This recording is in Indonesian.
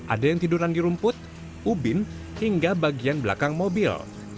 ada yang tiduran di rumput ubin hingga bagian belakang mobil